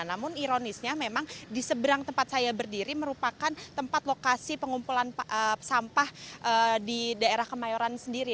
namun ironisnya memang di seberang tempat saya berdiri merupakan tempat lokasi pengumpulan sampah di daerah kemayoran sendiri